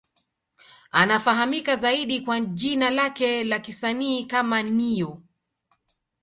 Anafahamika zaidi kwa jina lake la kisanii kama Ne-Yo.